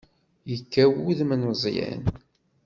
Yekkaw wudem n Meẓyan.